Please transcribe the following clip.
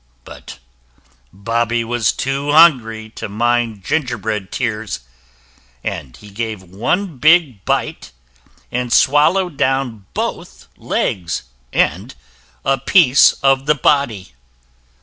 But Bobby was too hungry to mind gingerbread tears, and he gave one big bite, and swallowed down both legs and a piece of the body.